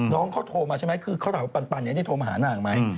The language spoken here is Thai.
น้องเขาโทรมาใช่ไหมคือเขาถามว่าปันได้โทรมาหานางไหม